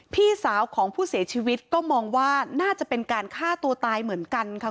พี่สาวของผู้เสียชีวิตก็มองว่าน่าจะเป็นการฆ่าตัวตายเหมือนกันค่ะ